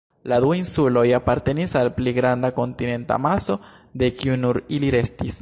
La du insuloj apartenis al pli granda kontinenta maso, de kiu nur ili restis.